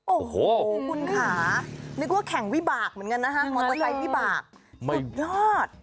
โอ้โหคุณค่ะนึกว่าแข่งวิบากเหมือนกันนะคะมอเตอร์ไซค์วิบากสุดยอด